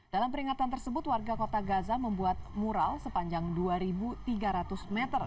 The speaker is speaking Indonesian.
dalam peringatan tersebut warga kota gaza membuat mural sepanjang dua tiga ratus meter